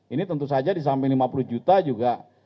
ini tentu saja disamping lima puluh juta juga